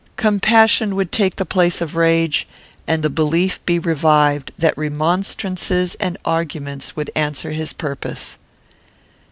Compassion would take the place of rage, and the belief be revived that remonstrances and arguments would answer his purpose.